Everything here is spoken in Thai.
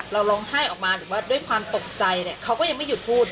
เราร้องไห้ออกมาหรือว่าด้วยความตกใจเนี่ยเขาก็ยังไม่หยุดพูด